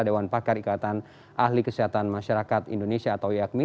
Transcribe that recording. dewan pakar ikatan ahli kesehatan masyarakat indonesia atau yakmi